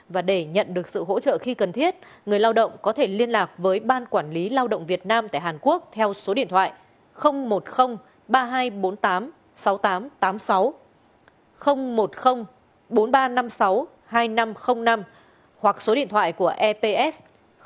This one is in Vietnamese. và để nhận được sự hỗ trợ khi cần thiết người lao động có thể liên lạc với ban quản lý lao động việt nam tại hàn quốc theo số điện thoại một mươi ba nghìn hai trăm bốn mươi tám sáu nghìn tám trăm tám mươi sáu một mươi bốn nghìn ba trăm năm mươi sáu hai nghìn năm trăm linh năm hoặc số điện thoại của eps một mươi chín nghìn tám trăm chín mươi hai một nghìn bảy trăm một mươi hai